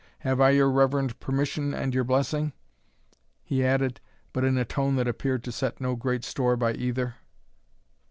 Have I your reverend permission and your blessing?" he added, but in a tone that appeared to set no great store by either.